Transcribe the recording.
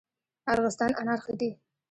ارغستان انار ښه دي؟